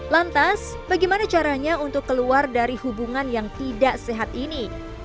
lantas bagaimana caranya untuk keluar dari hubungan yang tidak sehat ini